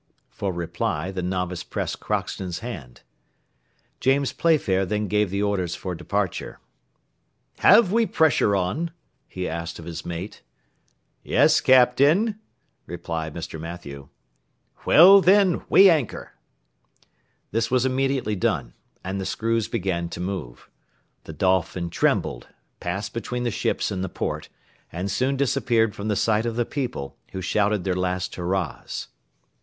For reply the novice pressed Crockston's hand. James Playfair then gave the orders for departure. "Have we pressure on?" he asked of his mate. "Yes, Captain," replied Mr. Mathew. "Well, then, weigh anchor." This was immediately done, and the screws began to move. The Dolphin trembled, passed between the ships in the port, and soon disappeared from the sight of the people, who shouted their last hurrahs.